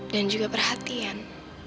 dan juga perhatian